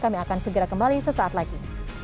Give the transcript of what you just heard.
kami akan segera kembali sesaat lagi